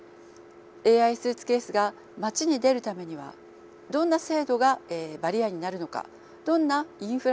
ＡＩスーツケースが街に出るためにはどんな制度がバリアになるのかどんなインフラが必要になるのか